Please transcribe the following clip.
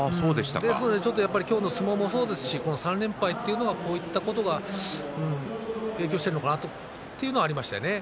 ちょっと今日の相撲内容もそうですし３連敗というのはこういったところが影響しているのかなというのはありましたよね。